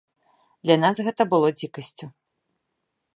Для нас гэта было дзікасцю.